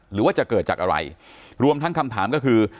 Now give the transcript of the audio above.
หรือว่าจะเกิดจากอะไรรวมทั้งคำถามก็คือ